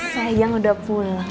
sayang udah pulang